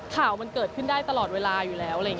ข่าวมันเกิดขึ้นได้ตลอดเวลาอยู่แล้วอะไรอย่างนี้